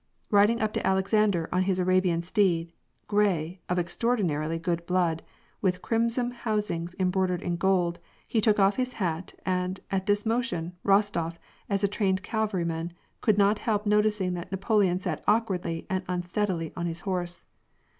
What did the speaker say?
Riding up to Alexander on his Arabian steed, gray, of extraordinarily good blood, with crimson hous ings embroidered in gold, he took off his hat, and, at this motion, Rostof, as a trained cavalryman, could not help noticing that Napoleon sat awkwardly and unsteadily on his horse.